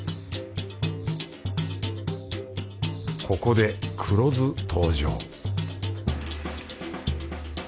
ここで黒酢登場